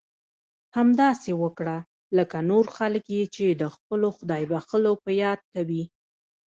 همداسې وکړه لکه نور خلک یې چې د خپلو خدای بښلو په یاد کوي.